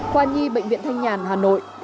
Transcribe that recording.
khoa nhi bệnh viện thanh nhàn hà nội